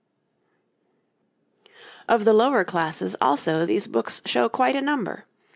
Of the lower classes, also, these books show quite a number.